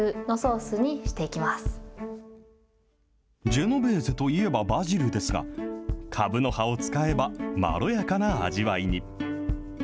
ジェノベーゼといえばバジルですが、かぶの葉を使えば、まろやかな味わいに。